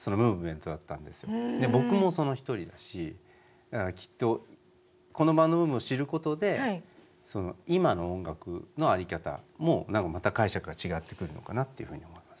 僕もその一人だしだからきっとこのバンドブームを知ることでその今の音楽の在り方も何かまた解釈が違ってくるのかなっていうふうに思います。